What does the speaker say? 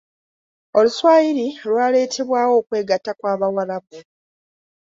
Oluswayiri lwaleetebwawo okwegatta kw'abawarabu.